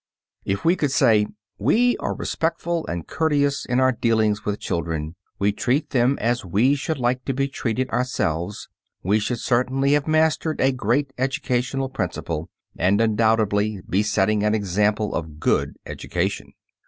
If we could say: "We are respectful and courteous in our dealings with children, we treat them as we should like to be treated ourselves," we should certainly have mastered a great educational principle and undoubtedly be setting an example of good education.